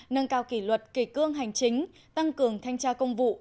nâng cao kỷ luật kỷ cương hành chính tăng cường thanh tra công vụ